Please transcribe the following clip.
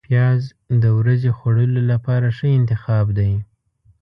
پیاز د ورځې خوړلو لپاره ښه انتخاب دی